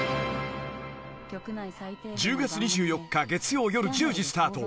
［１０月２４日月曜夜１０時スタート］